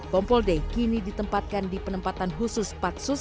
kompol d kini ditempatkan di penempatan khusus patsus